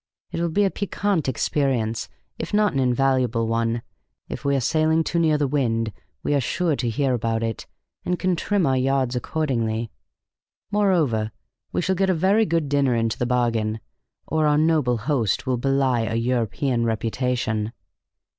It will be a piquant experience, if not an invaluable one; if we are sailing too near the wind, we are sure to hear about it, and can trim our yards accordingly. Moreover, we shall get a very good dinner into the bargain, or our noble host will belie a European reputation."